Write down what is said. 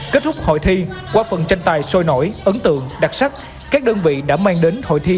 kết thúc hội thi qua phần tranh tài sôi nổi ấn tượng đặc sắc các đơn vị đã mang đến hội thi